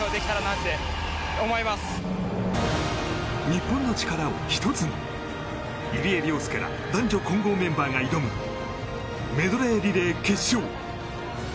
日本の力を１つに入江陵介ら男女混合メンバーが挑むメドレーリレー決勝。